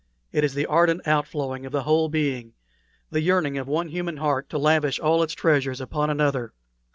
It is the ardent outflow of the whole being the yearning of one human heart to lavish all its treasures upon another.